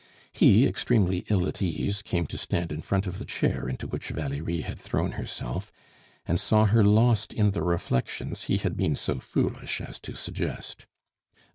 He, extremely ill at ease, came to stand in front of the chair into which Valerie had thrown herself, and saw her lost in the reflections he had been so foolish as to suggest.